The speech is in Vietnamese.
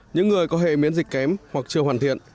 những người có hệ miễn dịch kém hoặc chưa hoàn thiện